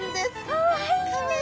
かわいい。